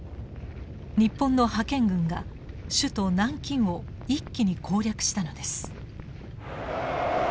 日本の派遣軍が首都南京を一気に攻略したのです。